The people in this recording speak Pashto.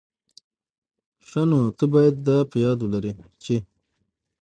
ښه، نو ته بايد دا په یاد ولري چي...